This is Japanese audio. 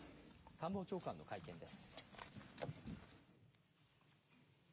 官房長官の会見です。